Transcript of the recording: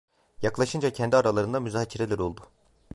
Yaklaşınca kendi aralarında müzakereler oldu.